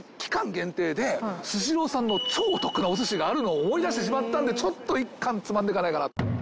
スシローさんの超お得なおすしがあるのを思い出してしまったんでちょっと一貫つまんでかないかな。